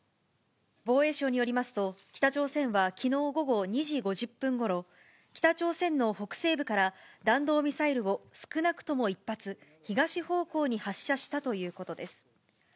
防衛省によりますと、北朝鮮はきのう午後２時５０分ごろ、北朝鮮の北西部から、弾道ミサイルを少なくとも１発、東方向に発射したということです。